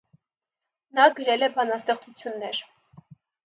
Նա գրել է բանաստեղծություններ։